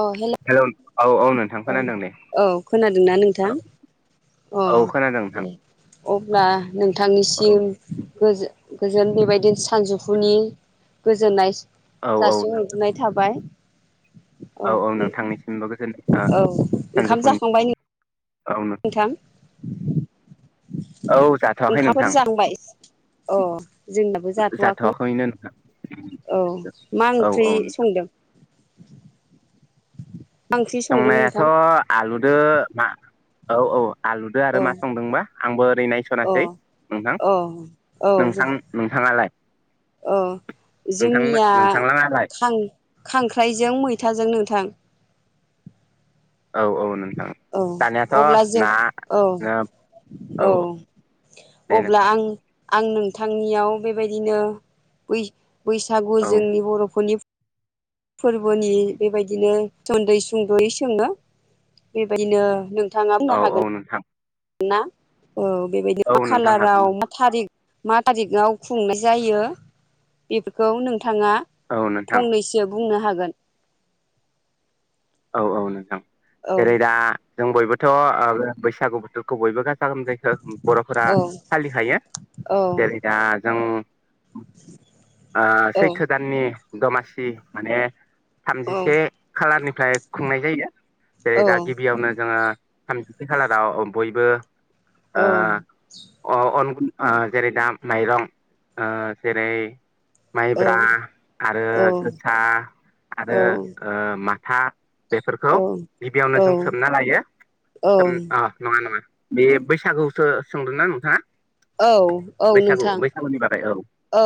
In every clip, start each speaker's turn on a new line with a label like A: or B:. A: अ hello
B: hello औ नोंथां
A: औ
B: खोनादों दे
A: औ खोनादोंना
B: औ
A: नोंथां। अ
B: औ खोनादों नोंथां
A: दे अब्ला
B: औ
A: नोंथांनिसिम गोजो गोजोन बेबायदिनो सानजौफुनि गोजोननाय
B: औ औ
A: जासि हरग्रोनाय थाबाय।
B: औ औ नोंथांनिसिमबो गोजोन ओ
A: औ ओंखाम जाखांबाय नों
B: आवनो जाथ'वाखै
A: ओंखामफोर
B: नोंथां
A: जांखांबाय अ जोंनाबो जाथ'वाखै
B: जाथ'वाखैनो नोंथां
A: औ मा
B: औ
A: ओंख्रि
B: औ नोंथां
A: संदों मा ओंख्रि संदों
B: संनायाथ'
A: नोंथां
B: आलुदो ना औ औ आलुदो
A: औ
B: आरो मा संदोंबा आंबो ओरै
A: अ
B: नायस'नासै नोंथां।
A: अ औ
B: नोंथां नोंथाङालाय
A: औ
B: नोंथां
A: जोंनिया
B: नोंथांलाङालाय
A: खांख्राइजों मैथाजों नोंथां
B: औ औ नों
A: औ अब्ला जों औ औ
B: दे
A: अब्ला
B: नोंथां
A: आं आं नोंथांनियाव बेबायदिनो बैसागु
B: औ
A: जोंनि बर'फोरनि फोरबोनि बेबायदिनो सुंद' सुंद'यै सोङो बेबायदिनो नों
B: औ औ नोंथां।
A: ना औ बेबायदि
B: औ नोंथां
A: खालाराव
B: हागोन
A: थारिख मा थारिखाव खुंनाय जायो बेफोरखौ नों नोंथाङा
B: औ नोंथां
A: फंनैसो बुंनो हागोन?
B: औ औ नोंथां
A: औ
B: जेरै दा जों बयबोथ' बैसागु बोथोरखौ बयबो गासै जायखौ बर'फोरा
A: औ
B: फालिखायो जेरै दा जों
A: औ
B: सैथो दाननि दमासि माने
A: औ
B: थामजिसे खालारनिफ्राय खुंनाय जायो जेरै
A: औ
B: दा गिबियावनो जोङो थामजिसे खालाराव बयबो अ
A: औ
B: अन गुन जेरै दा माइरं जेरै माइब्रा आरो जोसा
A: औ
B: आरो माथा बेफोरखौ
A: औ
B: गिबियावनो
A: औ
B: जों सोमना लायो
A: औ
B: नङा नङा। बे बैसागुसो सोंदोंना नोंथाङा।
A: औ औ
B: बैसागु
A: नोंथां।
B: बैसागुनि बागै
A: औ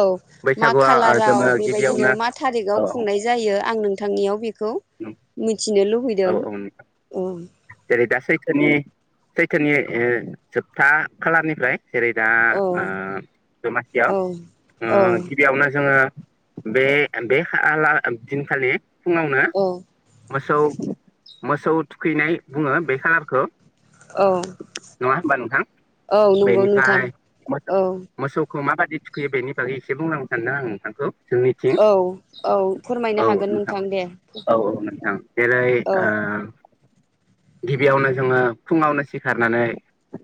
A: मा
B: बैसागुआ ओ
A: खालाराव
B: जोङो
A: बेबायदिनो
B: गिबियावनो
A: मा थारिखाव
B: औ
A: खुंनाय जायो आं नोंथांनियाव बेखौ मिथिनो
B: औ
A: लुबैदों।
B: औ जेरै दा सैथोनि सैथोनि जोबथा खालारनिफ्राय जेरै दा
A: औ
B: दमासियाव
A: औ औ
B: गिबियावनो जोङो। बे बे दिनखालि फुङावनो
A: औ
B: मोसौ मोसौ थुखैनाय बुङो बे खालारखौ
A: औ
B: नङा होनबा नोंथां
A: औ नंगौ नोंथां
B: बेनिफ्राय मोसौ
A: औ
B: मोसौ। मा बायदि थुखैयो बेनि बागै एसे बुंनो खोनथादों आं नोंथांखौ। जों मिथिं
A: औ औ फोरमायनो
B: औ
A: हागोन
B: नोंथां
A: दे
B: औ औ नोंथां। जेरै
A: औ
B: गिबियावनो जोङो फुङावनो सिखारनानै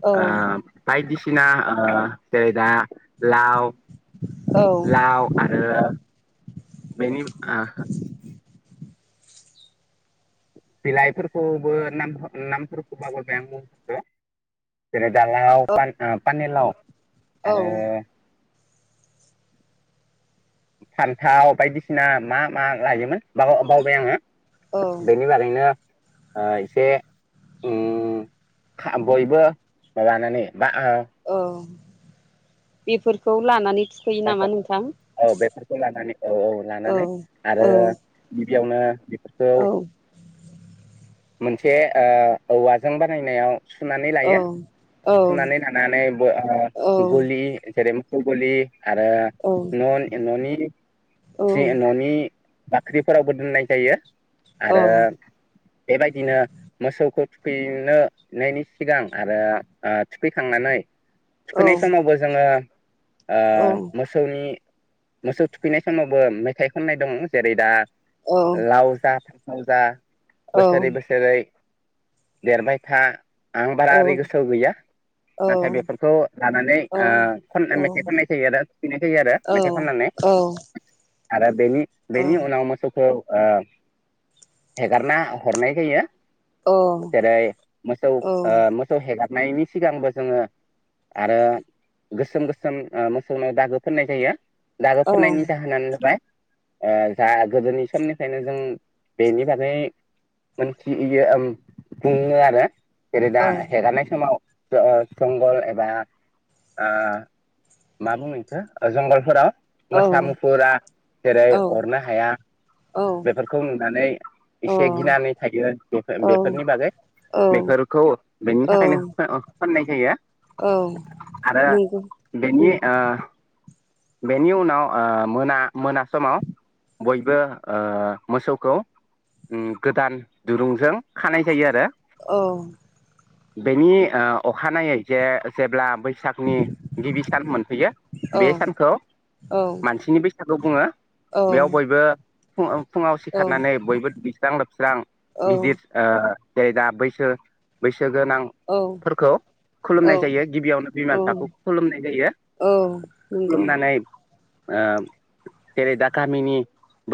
A: औ
B: ओ बायदिसिना ओ जेरै- दा लाव लाव आरो बेनि ओ बिलाइफोरखौबो नाम नामफोरखौ बावगारबाय मुंफोरखौ जेरै - [unintelligible] पानि-पानिलाव
A: औ
B: आरो फान्थाव बायदिसिना मा मा लायोमोन बाव-बावबाय आङो।
A: औ
B: बेनि बागैनो ओ एसे उम बयबो लानानै बा ओ
A: बेफोरखौ लानानै थुखैयो नामा नोंथां
B: औ बेफोरखौ लानानै औ औ लानानै आरो
A: औ
B: गिबियावनो बेफोरखौ
A: औ।
B: मोनसे ओ औवाजों बानायनायाव सुनानै लायो
A: औ
B: सुनानै लानानैबो ओ
A: औ
B: गलि जेरै - गलि आरो न न'नि
A: औ औ
B: न'नि बाख्रिफोरावबो दोननाय जायो
A: औ
B: आरो बेबायदिनो मोसौखौ थुखैनो नायनि सिगां आरो थुखैखांनानै थुखैनाय समावबो जोङो ओ मोसौनि मोसौ थुखैनाय समावबो मेथाइ खननाय दङ जेरै- दा लाव जा फान्थाव जा बोसोरै बोसोरै देरबाय था आं बारा ओरै गोसोआव गैया नाथाय बेफोरखौ लानानै ओ खननाय मे थाय खननाय जायो आरो थुखैनाय जायो आरो मेथाइ खननानै आरो बेनि बेनि उनाव मोसौखौ ओ एगारना हरनाय जायो। जेरै- मोसौ ओ मोसौ हेगार नायनि सिगांबो जोङो आरो गोसोम गो सोम मोसौनाव दागो फोननाय जायो दागो फोननायनि जाहोनानो जाबाय ओ जा गोदोनि समनिफ्रायनो जों बेनि बागै मोनथियो बुङो आरो। जेरै- दा हेगारनाय समाव ओ जंगल एबा ओ मा बुङो बिखौ जंगलफोराव मोसा मुफुरा जेरै अरनो हाया बेफोरखौ नुनानै एसे गिनानै थायो बेफोर
A: औ
B: बेफोरनि बागै
A: औ
B: बेफोरखौ बेनि थाखायनो फोन-फोननाय जायो।
A: औ
B: आरो
A: नंगौ। उम
B: बेनि ओ बेनि उनाव ओ मोना मोना समाव बयबो ओ मोसौखौ ओम गोदान दुरुंजों खानाय जायो आरो
A: औ
B: बेनि ओ अखानायै जे जेब्ला बै सागनि गिबि सान मोनफैयो
A: औ
B: बे सानखौ मानसिनि बैसागु बुङो
A: औ
B: बेयाव बयबो फुङाव फुङाव सिखारनानै बयबो दैस्रां लोबस्रां गिदिर आ दे दा बैसो बै सो
A: औ
B: गोनांफोरखौ खुलुमनाय
A: नंगौ
B: जायो गिबियावनो बिमा बिफाखौ खुलुमनाय जायो।
A: औ उम औ
B: खुलुमनानै ओम जेरै- दा गामिनि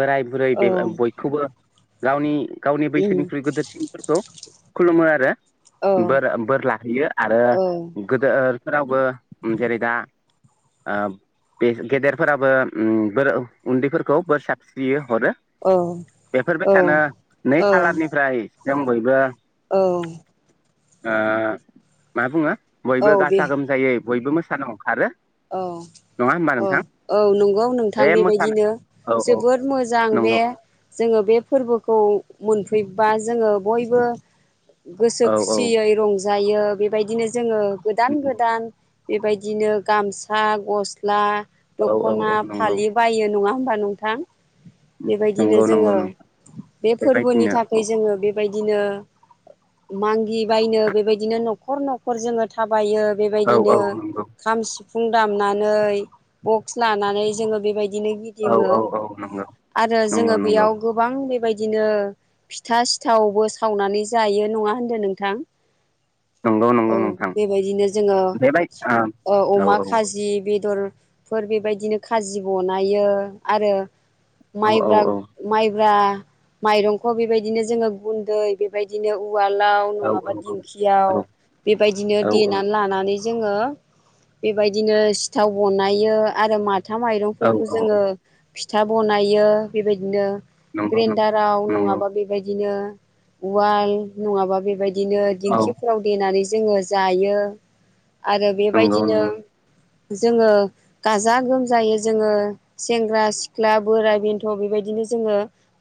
B: बोराय बुरै बे बयखौबो गावनि गावनि बैसोनिख्रुइ गोदोरसिनफोरखौ खुलुमो आरो बोर बोर लाहैयो आरो गोदोरफोरावबो जेरै- दा ओ बे गेदेरफोराबो उम बोर उन्दैफोरखौ बोर सारस्रियो हरो बेफोरबो सानो नै
A: औ
B: खालारनिफ्राय जों बयबो
A: औ औ
B: ओ मा बुङो
A: औ
B: बयबो
A: बे
B: गाजा गोमजायै बयबो मोसानो ओंखारो
A: औ
B: नङा होमबा
A: औ
B: नोंथां
A: औ नंगौ
B: बे
A: नोंथां
B: मोसानो
A: बेबायदिनो
B: औ औ
A: जोबोद मोजां बे
B: नंगौ
A: जोङो बे फोरबोखौ मोनफैबा जोङो बयबो गोसो
B: औ औ
A: खुसियै रंजा जायो बेबायदिनो जोङो गोदान
B: नंगौ
A: गोदान बेबायदिनो गामसा गस्ला
B: औ औ
A: दख'ना
B: औ नंगौ
A: फालि बायो नङा होमबा नोंथां बेबायदिनो
B: नंगौ नंगौ
A: जोङो
B: नोंथां
A: बे फोरबोनि
B: बेबायदिनो
A: थाखाय जोङो बे बेबायदिनो मांगि बायनो बेबायदिनो न'खर न'खर जोङो थाबायो
B: औ
A: बेबायदिनो
B: औ नंगौ
A: खाम सिफुं दामनानै बक्स लानानै जोङो बेबाय बिदिनो
B: औ
A: गिदिङो
B: औ औ नंगौ
A: आरो जोङो
B: नंगौ नंगौ
A: बेयाव गोबां बेबाय बिदिनो फिथा सिथावबो सावनानै जायो नङा होनदों नोंथां
B: नंगौ
A: औ
B: नंगौ नोंथां
A: बेबायदिनो जोङो
B: बेबाय आ
A: ओ
B: औ
A: अमा खाजि बेदरफोर बेबायदिनो खाजि बनायो आरो
B: औ
A: माइब्रा
B: औ औ
A: माइ ब्रा माइरंखौ बेबायदिनो जोङो गुन्दै बेबायदिनो उवालाव
B: औ
A: नङाबा दिखियाव बेबायदि देना
B: औ
A: लानानै जोङो बेबायदिनो सिथाव बनायो आरो मा था
B: औ
A: माइरंफोरखौ
B: औ
A: जोङो फिथा बनायो बेबायदिनो
B: नंगौ नंगौ
A: ग्रेन्डाराव
B: नंगौ
A: नङाबा बेबायदिनो उवाल नङाबा बेबाय दिनो
B: औ
A: दिंखिफोराव देनानै जोङो जायो आरो
B: नंगौ
A: बेबायदिनो
B: नंगौ
A: जोङो गाजा गोमजायो जोङो सेंग्रा सिख्ला बोराय बेन्थ' बेबाय दिनो जोङो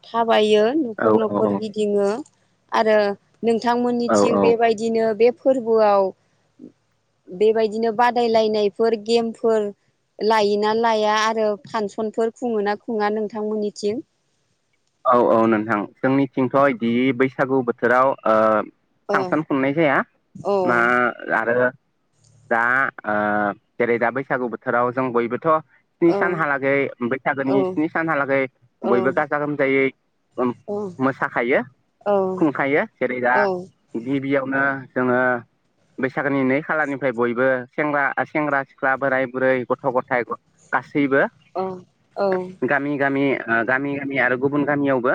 A: थाबायो
B: औ
A: न'खर न'खर गिदिङो आरो नोंथांमोननिथिं
B: औ औ
A: बेबायदिनो बे फोरबोआव बेबायदिनो बाद दायलायनायफोर गेमफोर लायोना लाया आरो फांसनफोर खुङोना खुङा नोंथांमोननिथिं
B: औ औ नोंथां जोंनिथिंथ'इदि बैसागु बोथोराव ओ
A: औ
B: फांसन खुंनाय जाया
A: औ
B: मा आरो दा ओ जेरै दा बैसागु बोथोराव जों बयबोथ' स्नि
A: औ
B: सानहालागै
A: औ
B: बैसागोनि स्नि सानहालागै
A: औ
B: बयबो गाजा गोमजायै
A: औ
B: मोसाखायो
A: औ
B: खुंखायो जेरै
A: औ
B: दा बिदि बियावनो जोङो बैसागोनि नै खालारनिफ्राय बयबो सेंग्रा सेंग्रा सिख्ला बोराय बुरै गथ' गथाय गासैबो
A: औ
B: थैबो गामि गामि गामि गामि आरो गुबुन गामियावबो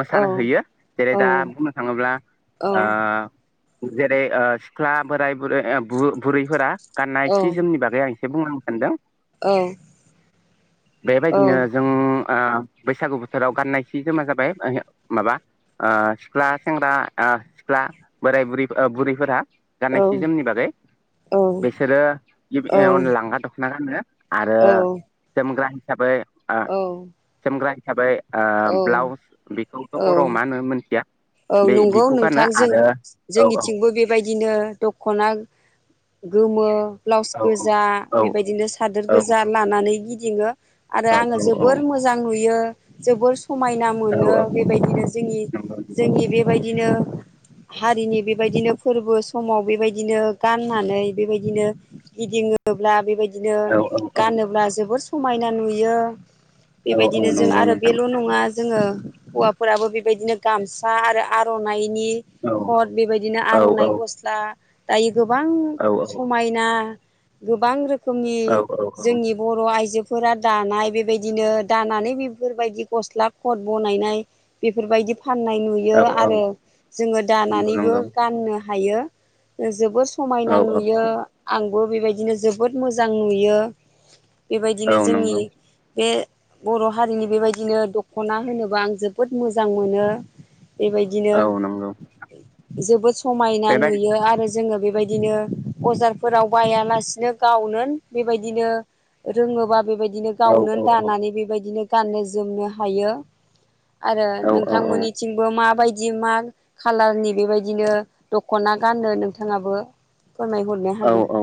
B: मोसानो हैयो जेरै दा बुंनो थाङोब्ला ओ जेरै ओ सिख्ला बोराय बुरै बुरैफोरा गाननाय सि जोमनि बागै आं एसे बुंहाना सानदों
A: औ
B: बेबायदिनो जों ओ बैसागु बो थोराव गाननायस जोमा जाबाय माबा ओ सिख्ला सेंग्रा ओ सिख्ला बोराय बुरै ओ बुरिफोरा गाननाय
A: औ
B: सि जोमनि बागै
A: औ
B: बिसोरो
A: औ
B: लांगा दख'ना गानो आरो जोमग्रा हिसाबै ओ
A: औ
B: जोमग्रा हिसाबै ओ ब्लाउस बेखौथ' बर'आव मा होन मोनथिया
A: औ
B: बे
A: नंगौ
B: बेखौ गानो
A: नोंथां जों
B: आरो औ औ
A: जोंनिथिंबो बेबायदिनो दख'ना गोमो ब्लाउस
B: औ
A: गोजा
B: औ
A: बेबायदिनो सादोर
B: औ
A: गोजा लानानै गिदिङो आरो
B: औ
A: आङो जोबोर मोजां नुयो जोबोर समायना मोनो
B: औ
A: बेबायदिनो जोंनि जोंनि बेबायदिनो हारिनि बेबायदिनो फोरबो समाव बेबायदिनो गाननानै बेबायदिनो गिदिर बुङोब्ला बेबायदिनो
B: औ औ
A: गानोब्ला जोबोर समायना नुयो
B: नंगौ नंगौ औ
A: बेबायदिनो जों
B: नंगौ
A: आरो
B: नोंथां
A: बेल' नङा जोङो हौवाफोराबो बेबायदिनो गाम आरो आर'नाइनि
B: औ
A: खद बेबायदिनो
B: औ
A: आर'नाइ
B: औ
A: गस्ला दायो। गोबां
B: औ
A: समायना गोबां रोखोमनि
B: औ
A: जोंनि बर' आइजो फोरा दानाय बेबायदिनो दानानै बेफोरबायदि गस्ला खद बनायनाय बेफोरबायदि फाननाय
B: औ औ
A: आरो जोङो
B: नंगौ
A: दानानैबो
B: नंगौ
A: गाननो हायो जोबोद स
B: औ
A: समायना नुयो आंबो बेबायदिनो जोबोद मोजां नुयो।
B: औ
A: बेबायदिनो जोंनि
B: नंगौ
A: बे बर' हारिनि बेबायदिनो दख'ना होनोबा आं जोबोद मोजां मोनो। बेबायदिनो
B: औ नंगौ
A: जोबोद समायना
B: बेबाय
A: नुयो आरो। जोङो बेबायदिनो बजारफोराव बायालासिनो गावनो बेबायदिनो रोङोबा बेबायदिनो
B: औ
A: गावनो
B: औ
A: दानानै बेबायदिनो गाननो जोमनो हायो। आरो
B: औ औ
A: नोंथांमोननिथिं माबायदि मा खाालारनि बेबायदिनो दखना गानो नोंथाङाबो फोरमायहरनो
B: औ
A: हागोन
B: औ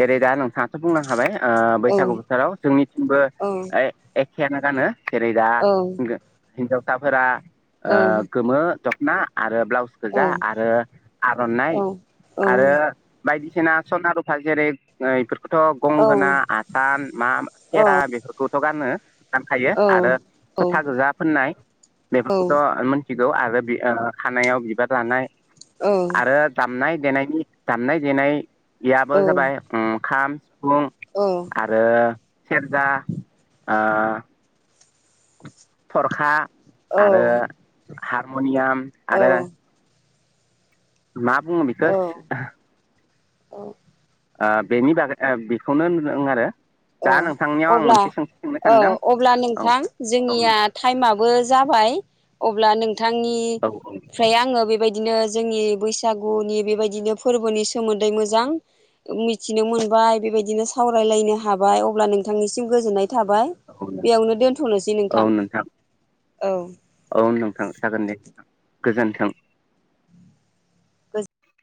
B: जेरै दा नोंथाङाथ' बुंलांखाबाय ओ
A: औ
B: बैसागु बोथोराव जोंनि थिंबो
A: औ
B: एखेयानो गानो जेरै दा
A: औ
B: हिनजावसाफोरा ओ
A: औ
B: गोमो दखना आरो ब्लाउस गोजा
A: औ
B: आरो
A: औ
B: आर'नाइ आरो बायदिसिना सनारुफा जेरै थ' गंगोना आसान मा खेरा बेफोरखौथ' गानो। सानखायो आरो फोथा गोजा फोननाय बेफोरखौथ' मिथिगौ आरो खानायाव बिबार लानाय आरो दामनाय देनायनि दामनाय देनाययाबो जाबाय ओं खाम सिफुं
A: औ
B: आरो सेरजा ओ थरखा आरो हारमनियाम आरो मा बुंङो
A: औ
B: बेखो
A: औ
B: ओ बेनि बागै बेखौनो होनो आरो
A: औ
B: दा नोंथांनियाव आं
A: अब्ला
B: मोनसे सोंथि सोंनो
A: औ
B: सानदों
A: अब्ला
B: औ
A: नोंथां
B: औ
A: जोंनिया टाइमआ बो जाबाय अब्ला
B: औ
A: नोंथांनिफ्राय आङो बेबाय बायदिनो जोंनि बैसागुनि बेबायदिनो फोरबोनि सोमोन्दै मोजां मिथिनो मोनबाय। बाय बेबायदिनो सावरायलायनो हाबाय अब्ला नोंथांनिसिम गोजोननाय थाबाय
B: औ
A: बेयावनो दोनथ'नोसै नोंथां। औ
B: औ नोंथां जागोन दे गोजोन्थों।
A: गोजोन